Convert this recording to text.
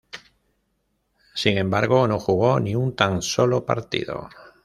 Sin embargo no jugó ni un tan solo partido.